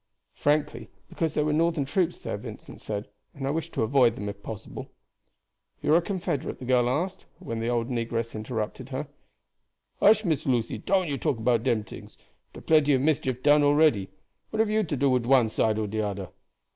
"Frankly, because there were Northern troops there," Vincent said, "and I wish to avoid them if possible." "You are a Confederate?" the girl asked, when the old negress interrupted her: "Hush! Miss Lucy, don't you talk about dem tings; der plenty of mischief done already. What hab you to do wid one side or do oder?"